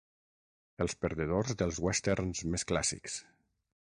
Els perdedors dels Westerns més clàssics.